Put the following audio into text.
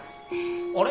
あれ？